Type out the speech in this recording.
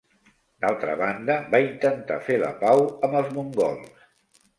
D'altra banda, va intentar fer la pau amb els mongols.